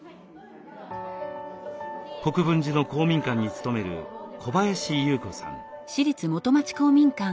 国分寺の公民館に勤める小林佑子さん。